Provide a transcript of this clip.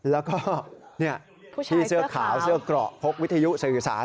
แล้วก็ที่เสื้อขาวเสื้อเกราะพกวิทยุสื่อสาร